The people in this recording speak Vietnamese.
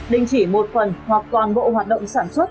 đình chỉ một phần hoặc toàn bộ hoạt động sản xuất